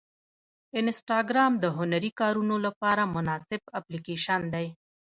انسټاګرام د هنري کارونو لپاره مناسب اپلیکیشن دی.